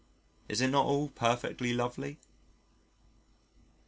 Is it not all perfectly lovely?